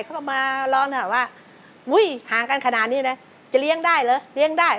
เขาก็มาร้องว่าอุ้ยห่างกันขนาดนี้นะจะเลี้ยงได้เหรอเลี้ยงได้